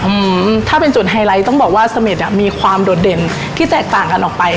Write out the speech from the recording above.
อืมถ้าเป็นจุดไฮไลท์ต้องบอกว่าเสม็ดอ่ะมีความโดดเด่นที่แตกต่างกันออกไป